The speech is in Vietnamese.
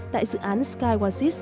tại dự án skywarsis